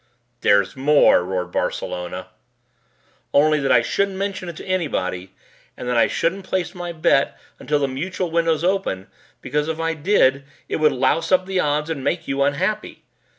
"There's more!" roared Barcelona. "Only that I shouldn't mention it to anybody, and that I shouldn't place my bet until the mutuel windows open because if I did it would louse up the odds and make you unhappy."